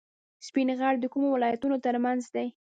سپین غر د کومو ولایتونو ترمنځ دی؟